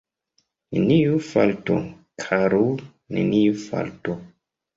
Neniu falto, karul’, neniu falto!